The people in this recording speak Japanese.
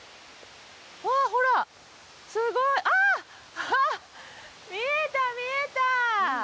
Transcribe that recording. ほら、すごい。あっ、見えた見えた。